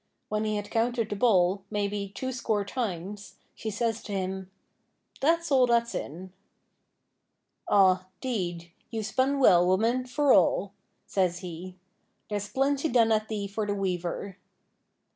When he had counted the ball, maybe, two score times, she says to him: 'That's all that's in.' 'Aw, 'deed, you've spun well, woman, for all,' says he; 'there's plenty done at thee for the weaver.'